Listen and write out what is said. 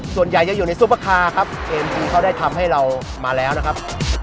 ส่วนใหญ่จะอยู่ในซุประคาเอ็มก์ยีเขาทำให้เรามาแล้วนะครับ